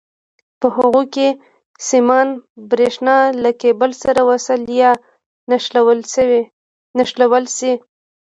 په هغو کې سیمان د برېښنا له کېبل سره وصل یا ونښلول شي.